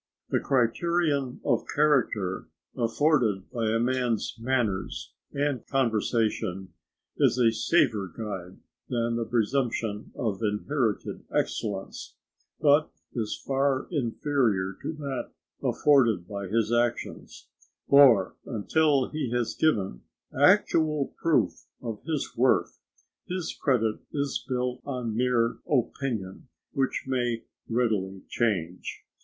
The criterion of character afforded by a man's manners and conversation is a safer guide than the presumption of inherited excellence, but is far inferior to that afforded by his actions; for until he has given actual proof of his worth, his credit is built on mere opinion, which may readily change.